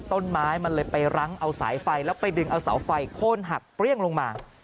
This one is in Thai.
ต้นไม้มันเลยไปรั้งเอาสายไฟแล้วไปดึงเอาเสาไฟโค้นหักเปรี้ยงลงมา